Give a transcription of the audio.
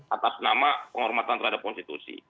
atas nama penghormatan terhadap konstitusi